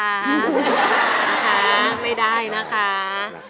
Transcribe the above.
นะคะไม่ได้นะคะ